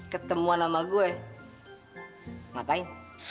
ketemuan sama gue ngapain